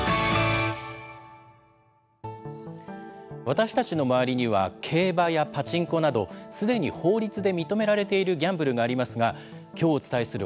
私たちの周りには競馬やパチンコなどすでに法律で認められているギャンブルがありますが今日お伝えする